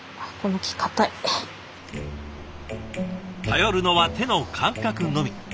頼るのは手の感覚のみ。